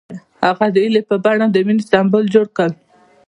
هغه د هیلې په بڼه د مینې سمبول جوړ کړ.